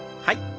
はい。